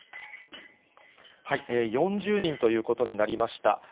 ４０人ということになりました。